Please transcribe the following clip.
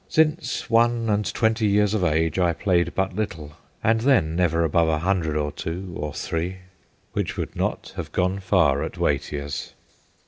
... Since one and twenty years of age, I played but little, and then never above a hundred or two, or three/ which would not have gone far at Watier's.